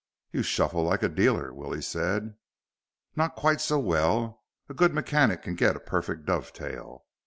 "You shuffle like a dealer," Willie said. "Not quite so well. A good mechanic can get a perfect dovetail.